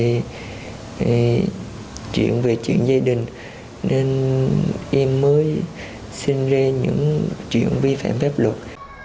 do không có công việc ổn định hay là chuyện về chuyện gia đình nên em mới xin lê những chuyện vi phạm phép luật